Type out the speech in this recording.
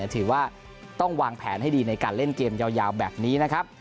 ถือว่าต้องวางแผนให้ดีในการเล่นเกมยาวแบบนี้นะครับ